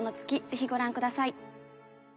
ぜひご覧ください。